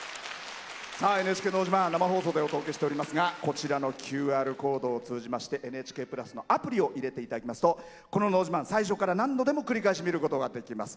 「ＮＨＫのど自慢」生放送でお届けしておりますがこちらのＱＲコードを通じまして「ＮＨＫプラス」のアプリを入れていただきますとこの「のど自慢」最初から何度でも繰り返し見ることができます。